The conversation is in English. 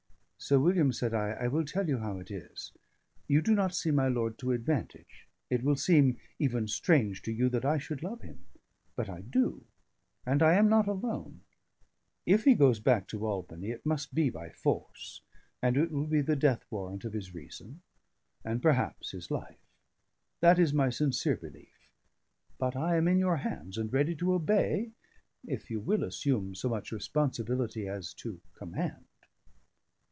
"Sir William," said I, "I will tell you how it is. You do not see my lord to advantage; it will seem even strange to you that I should love him; but I do, and I am not alone. If he goes back to Albany, it must be by force, and it will be the death warrant of his reason, and perhaps his life. That is my sincere belief; but I am in your hands, and ready to obey, if you will assume so much responsibility as to command."